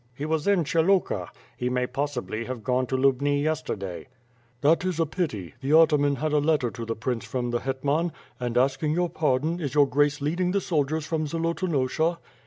"He was in Pshyluka. He may possibly have gone to Lubni yesterday." "That is a pity. The atman liad a letter to the prince from the hetraan; and asking your pardon, is your Grace leading the soldiers from Zolotonosha?"